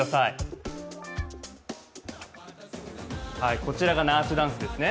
こちらがナートゥダンスですね。